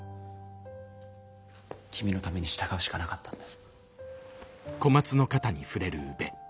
君のために従うしかなかったんだ。